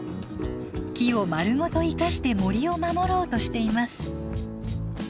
木をまるごと生かして森を守ろうとしています。